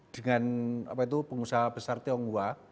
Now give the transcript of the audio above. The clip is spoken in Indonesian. dengan apa itu pengusaha besar tionghoa